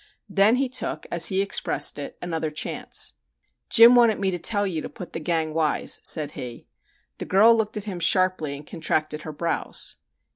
Then he took, as he expressed it, "another chance." "Jim wanted me to tell you to put the gang 'wise,'" said he. The girl looked at him sharply and contracted her brows.